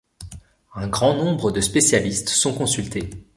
Un grand nombre de spécialistes sont consultés.